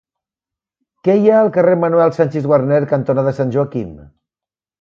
Què hi ha al carrer Manuel Sanchis Guarner cantonada Sant Joaquim?